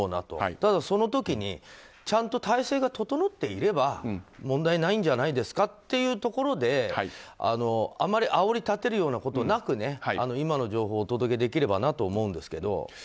ただ、その時にちゃんと体制が整っていれば問題ないんじゃないですかっていうところであまりあおり立てるようなことなく今の情報をお届けできればなと思うんですけど。